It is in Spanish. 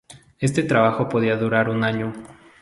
Este trabajo podía durar un año.